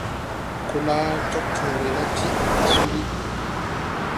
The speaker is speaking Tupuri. Kola Cogcõõre la tiʼ de suuli.